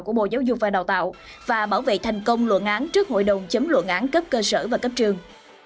của bộ giáo dục và đào tạo và bảo vệ thành công luận án trước hội đồng chấm luận án cấp cơ sở và cấp trường